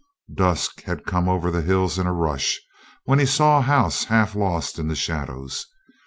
Dusk had come over the hills in a rush, when he saw a house half lost in the shadows.